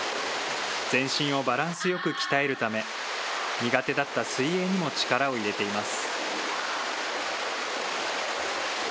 全身をバランスよく鍛えるため、苦手だった水泳にも力を入れています。